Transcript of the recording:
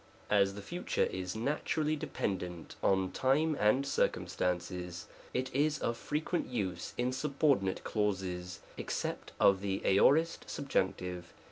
As the Future is naturally dependent on time and circumstances, it is of frequent use in subordinate clauses instead of the Aor. subjunctive.